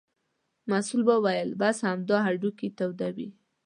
مستو وویل: بس همدا هډوکي تودوه.